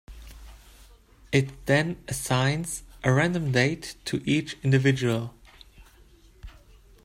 It then assigns a random date to each individual.